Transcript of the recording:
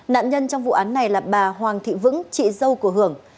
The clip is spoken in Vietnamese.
nạn nhân trong vụ án này là bà hoàng thị vững chị dâu của hưởng